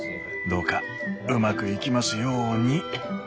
どうかうまくいきますように。